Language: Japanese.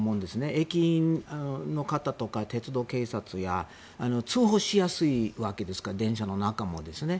駅員の方とか鉄道警察通報しやすいわけですから電車の中もですね。